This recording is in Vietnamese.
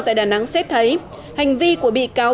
tại đà nẵng xét thấy hành vi của bị cáo